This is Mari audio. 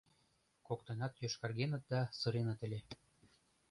Коктынат йошкаргеныт да сыреныт ыле.